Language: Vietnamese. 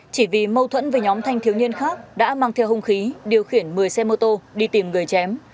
chỉ vì mâu thuẫn với nhóm thanh thiếu niên khác đã mang theo hung khí điều khiển một mươi xe mô tô đi tìm người chém